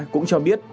cũng cho biết